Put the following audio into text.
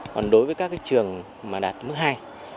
còn đối với các trường mà đạt mức hai